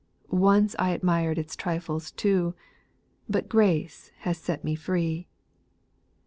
Once I admired its trifles too, But grace has set me free.